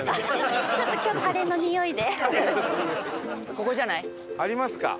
ここじゃない？ありますか？